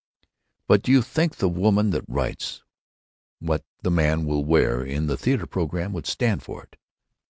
"But do you think the woman that writes 'What the man will wear' in the theater programs would stand for it?"